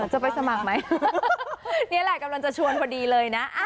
จะไปสมัครไหมนี่แหละกำลังจะชวนพอดีเลยนะ